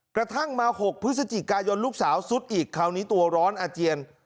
กระทั่งมา๖พฤศจิกายนลูกสาวซุดอีกคราวนี้ตัวร้อนอาเจียน